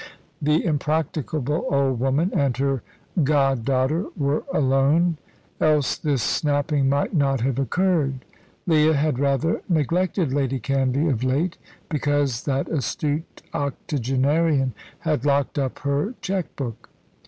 The impracticable old woman and her god daughter were alone, else this snapping might not have occurred. Leah had rather neglected Lady Canvey of late, because that astute octogenarian had locked up her cheque book.